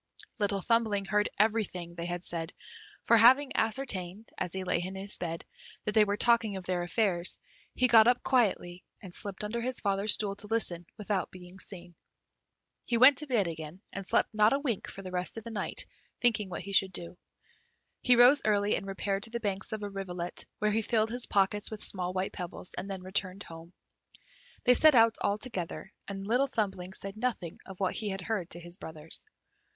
Little Thumbling heard everything they had said, for having ascertained, as he lay in his bed, that they were talking of their affairs, he got up quietly, and slipped under his father's stool to listen, without being seen. He went to bed again, and slept not a wink the rest of the night, thinking what he should do. He rose early and repaired to the banks of a rivulet, where he filled his pockets with small white pebbles, and then returned home. They set out all together, and Little Thumbling said nothing of what he had heard to his brothers.